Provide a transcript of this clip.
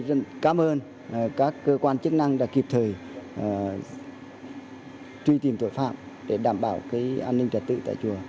tôi rất cảm ơn các cơ quan chức năng đã kịp thời truy tìm tội phạm để đảm bảo cái an ninh trật tự tại chùa